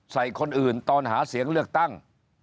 ใส่คนอื่นตอนหาเสียงเลือกตั้ง